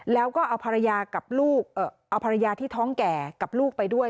แล้วก็เอาภรรยากับลูกเอาภรรยาที่ท้องแก่กับลูกไปด้วย